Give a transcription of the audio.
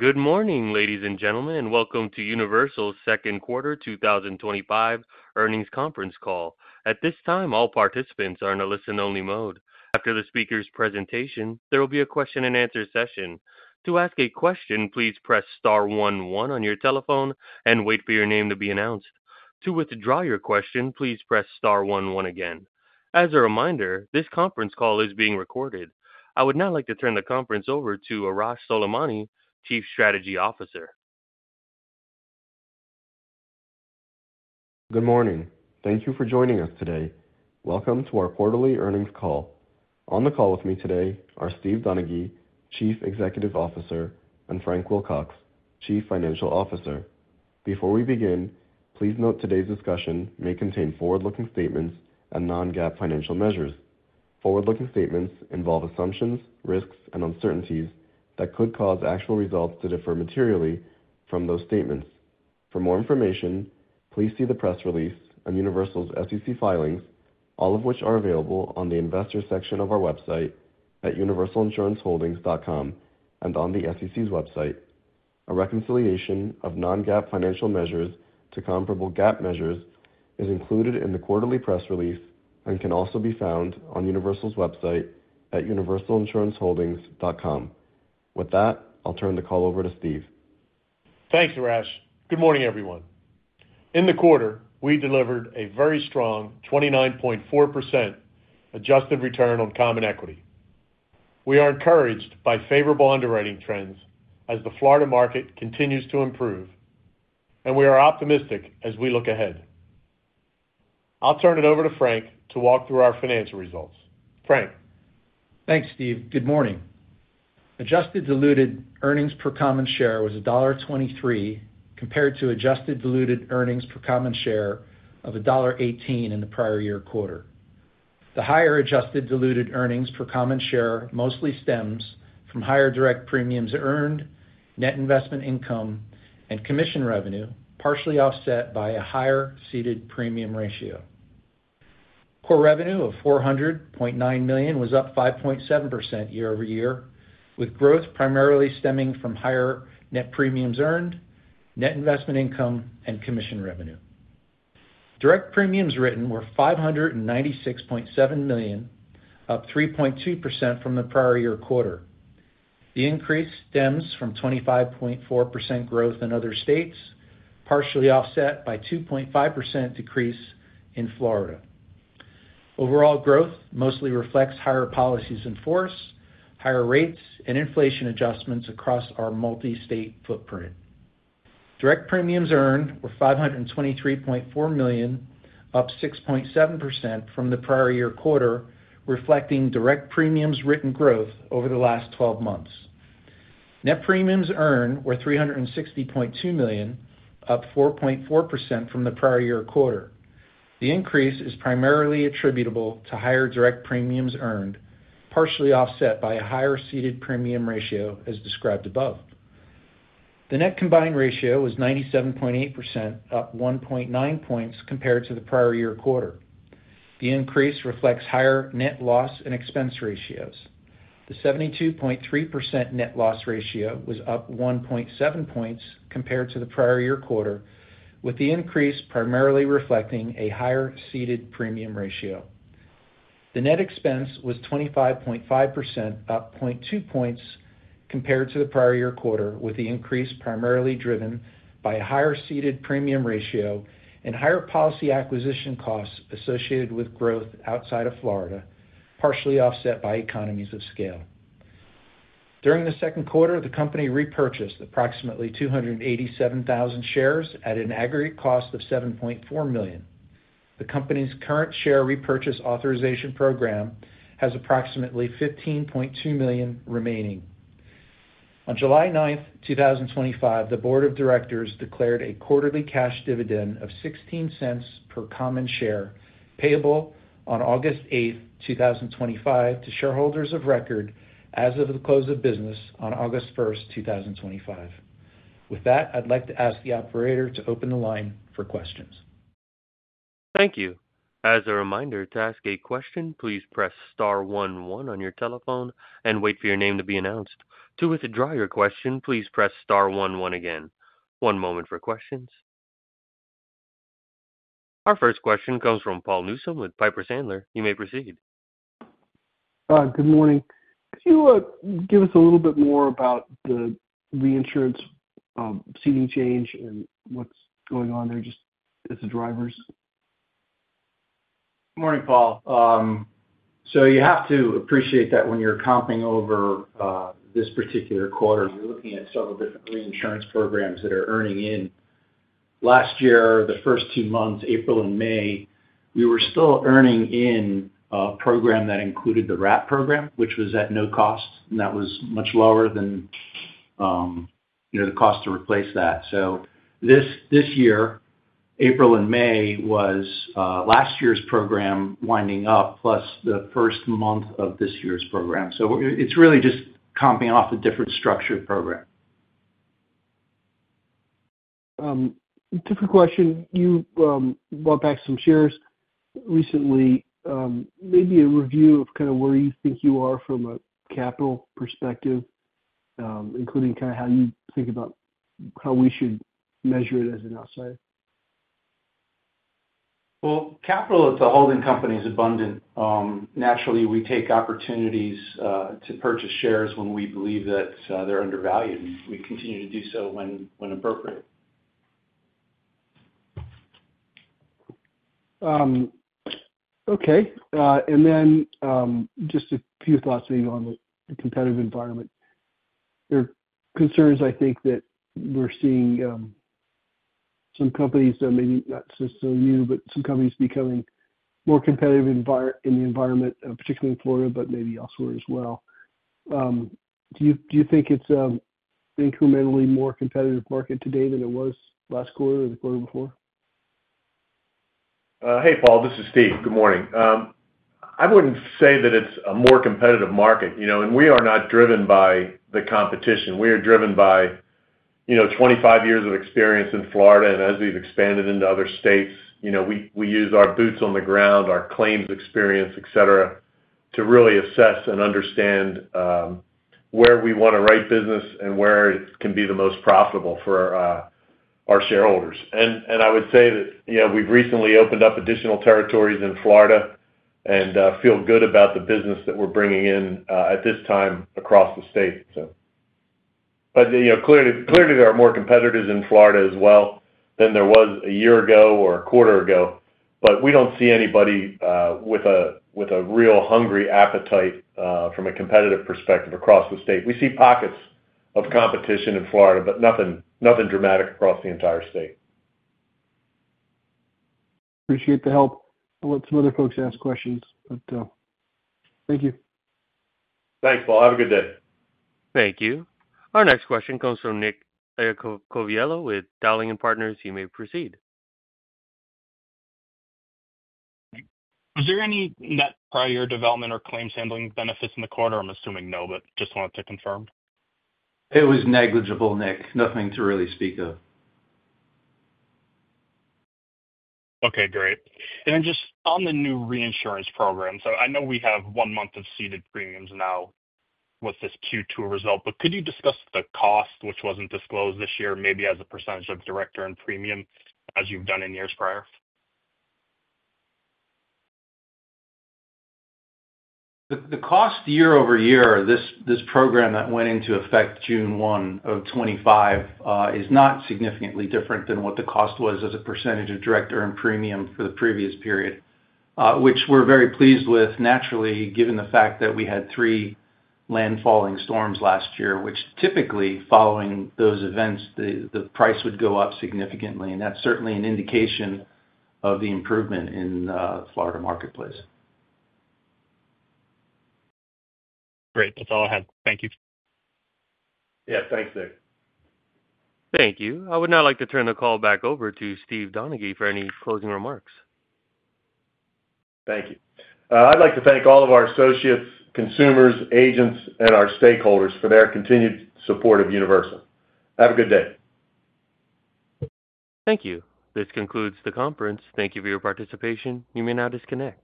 Good morning, ladies and gentlemen, and welcome to Universal Insurance Holdings' second quarter 2025 earnings conference call. At this time, all participants are in a listen-only mode. After the speaker's presentation, there will be a question and answer session. To ask a question, please press star one one on your telephone and wait for your name to be announced. To withdraw your question, please press star one one again. As a reminder, this conference call is being recorded. I would now like to turn the conference over to Arash Soleimani, Chief Strategy Officer. Good morning. Thank you for joining us today. Welcome to our quarterly earnings call. On the call with me today are Steve Donaghy, Chief Executive Officer, and Frank Wilcox, Chief Financial Officer. Before we begin, please note today's discussion may contain forward-looking statements and non-GAAP financial measures. Forward-looking statements involve assumptions, risks, and uncertainties that could cause actual results to differ materially from those statements. For more information, please see the press release on Universal's SEC filings, all of which are available on the Investors section of our website at universalinsuranceholdings.com and on the SEC's website. A reconciliation of non-GAAP financial measures to comparable GAAP measures is included in the quarterly press release and can also be found on Universal's website at universalinsuranceholdings.com. With that, I'll turn the call over to Steve. Thanks Arash. Good morning everyone. In the quarter we delivered a very strong 29.4% adjusted return on common equity. We are encouraged by favorable underwriting trends as the Florida market continues to improve, and we are optimistic as we look ahead. I'll turn it over to Frank to walk through our financial results. Frank, thanks Steve. Good morning. Adjusted diluted earnings per common share was $1.23 compared to adjusted diluted earnings per common share of $1.18 in the prior year quarter. The higher adjusted diluted earnings per common share mostly stems from higher direct premiums earned, net investment income, and commission revenue, partially offset by a higher ceded premium ratio. Core revenue of $400.9 million was up 5.7% year-over-year, with growth primarily stemming from higher net premiums earned, net investment income, and commission revenue. Direct premiums written were $596.7 million, up 3.2% from the prior year quarter. The increase stems from 25.4% growth in other states, partially offset by a 2.5% decrease in Florida. Overall growth mostly reflects higher policies in force, higher rates, and inflation adjustments across our multi-state footprint. Direct premiums earned were $523.4 million, up 6.7% from the prior year quarter, reflecting direct premiums written growth over the last 12 months. Net premiums earned were $360.2 million, up 4.4% from the prior year quarter. The increase is primarily attributable to higher direct premiums earned, partially offset by a higher ceded premium ratio as described above. The net combined ratio was 97.8%, up 1.9 points compared to the prior year quarter. The increase reflects higher net loss and expense ratios. The 72.3% net loss ratio was up 1.7 points compared to the prior year quarter, with the increase primarily reflecting a higher ceded premium ratio. The net expense ratio was 25.5%, up 0.2 points compared to the prior year quarter, with the increase primarily driven by a higher ceded premium ratio and higher policy acquisition costs associated with growth outside of Florida, partially offset by economies of scale. During the second quarter, the company repurchased approximately 287,000 shares at an aggregate cost of $7.4 million. The company's current share repurchase authorization program has approximately $15.2 million remaining. On July 9, 2025, the Board of Directors declared a quarterly cash dividend of $0.16 per common share, payable on August 8, 2025, to shareholders of record as of the close of business on August 1, 2025. With that, I'd like to ask the operator to open the line for questions. Thank you. As a reminder to ask a question, please press star one one on your telephone and wait for your name to be announced. To withdraw your question, please press star one one again. One moment for questions. Our first question comes from Paul Newsome with Piper Sandler. You may proceed. Good morning. Could you give us a little bit more about the reinsurance coverage ceiling change and what's going on there? Just as the drivers. Good morning, Paul. You have to appreciate that when you're comping over this particular quarter, you're looking at several different reinsurance programs that are earning in last year. The first two months, April and May, we were still earning in a program that included the RAT program, which was at no cost, and that was much lower than the cost to replace that. This year, April and May was last year's program winding up, plus the first month of this year's program. It's really just comping off a different structured program. You bought back some shares recently. Maybe a review of kind of where you think you are from a capital perspective, including kind of how you think about how we should measure it as an outsider. Capital at the holding company is abundant. Naturally, we take opportunities to purchase shares when we believe that they're undervalued, and we continue to do so when appropriate. Okay. Just a few thoughts on the competitive environment. There are concerns, I think, that we're seeing some companies, maybe not necessarily new, but some companies becoming more competitive in the environment, particularly in Florida, but maybe elsewhere as well. Do you think it's incrementally more competitive market today than it was last quarter or the quarter before? Hey, Paul, this is Steve. Good morning. I wouldn't say that it's a more competitive market, you know, and we are not driven by the competition. We are driven by, you know, 25 years of experience in Florida and as we've expanded into other states, we use our boots on the ground, our claims expertise, etc. to really assess and understand where we want to write business and where it can be the most profitable for our shareholders. I would say that we've recently opened up additional territories in Florida and feel good about the business that we're bringing in at this time across the state. Clearly, there are more competitors in Florida as well than there was a year ago or a quarter ago, but we don't see anybody with a real hungry appetite from a competitive perspective across the state. We see pockets of competition in Florida, but nothing dramatic across the entire state. Appreciate the help. I'll let some other folks ask questions, but thank you. Thanks, Paul. Have a good day. Thank you. Our next question comes from Nicolas Iacoviello with Dowling & Partners Securities. You may proceed. Was there any net prior year development or claims handling benefits in the quarter? I'm assuming no, but just wanted to confirm it was negligible. Nick, nothing to really speak of. Okay, great. Just on the new reinsurance program, I know we have one month of ceded premiums now with this Q2 result, but could you discuss the cost which wasn't disclosed this year, maybe as a percentage of direct earned premium as you've done in years prior? The cost year over year, this program that went into effect June 1, 2025, is not significantly different than what the cost was as a percentage of direct earned premium for the previous period, which we're very pleased with. Naturally, given the fact that we had three landfalling storms last year, which typically following those events, the price would go up significantly, and that's certainly an indication of the improvement in the Florida marketplace. Great. That's all I had. Thank you. Yeah, thanks, Dave. Thank you. I would now like to turn the call back over to Steve Donaghy for any closing remarks. Thank you. I'd like to thank all of our associates, consumers, agents, and our stakeholders for their continued support of Universal. Have a good day. Thank you. This concludes the conference. Thank you for your participation. You may now disconnect.